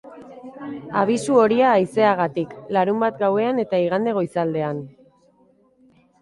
Abisu horia haizeagatik, larunbat gauean eta igande goizaldean.